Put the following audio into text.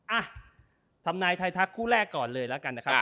อ่ะทำนายไททักคู่แรกก่อนเลยเรากันดีกว่าครับ